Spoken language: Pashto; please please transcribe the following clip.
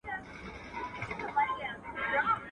تلویزیوني خبرونه ډېر لیدونکي لري